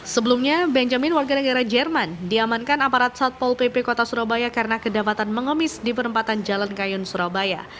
sebelumnya benjamin warga negara jerman diamankan aparat satpol pp kota surabaya karena kedapatan mengemis di perempatan jalan kayun surabaya